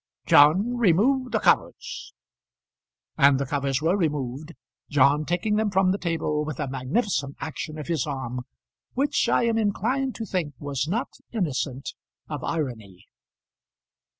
John, remove the covers." And the covers were removed, John taking them from the table with a magnificent action of his arm which I am inclined to think was not innocent of irony.